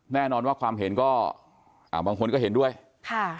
แน่นอนว่าความเห็นก็อ่าบางคนก็เห็นด้วยค่ะ